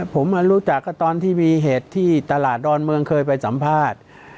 ผมมารู้จักก็ตอนที่มีเหตุที่ตลาดดอนเมืองเคยไปสัมภาษณ์